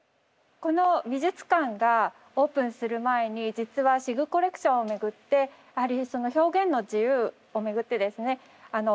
この美術館がオープンする前に実はシグコレクションをめぐって表現の自由をめぐってですね